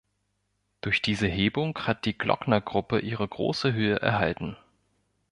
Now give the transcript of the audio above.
Durch diese Hebung hat die Glocknergruppe ihre große Höhe erhalten.